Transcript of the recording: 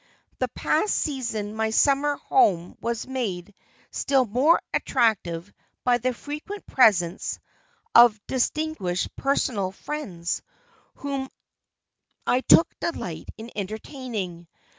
The past season my summer home was made still more attractive by the frequent presence of distinguished personal friends, whom I took delight in entertaining.